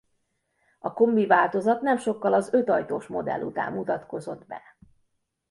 A Kombi változat nem sokkal az ötajtós modell után mutatkozott be.